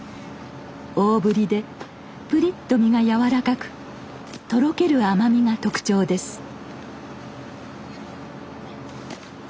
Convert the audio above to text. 大ぶりでぷりっと身が柔らかくとろける甘みが特徴です。